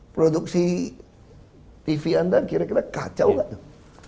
produksi tv anda kira kira kacau nggak tuh